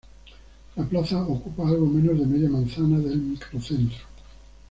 La plaza ocupa algo menos de media manzana del microcentro.